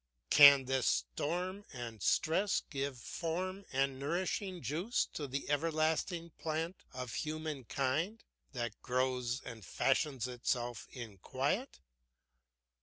Can this storm and stress give form and nourishing juice to the everliving plant of humankind, that grows and fashions itself in quiet?